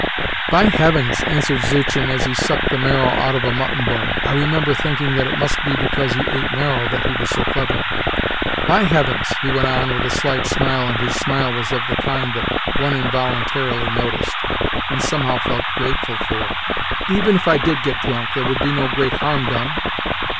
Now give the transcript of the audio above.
"By heavens!" answered Zuchin as he sucked the marrow out of a mutton bone (I remember thinking that it must be because he ate marrow that he was so clever). "By heavens!" he went on with a slight smile (and his smile was of the kind that one involuntarily noticed, and somehow felt grateful for), "even if I did get drunk, there would be no great harm done.